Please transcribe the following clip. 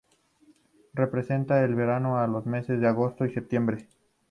Representa el verano o los meses de agosto y septiembre.